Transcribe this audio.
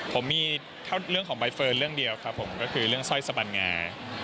ผมมีเรื่องของใบเฟิร์นเรื่องเดียวครับผมก็คือเรื่องสร้อยสบันงา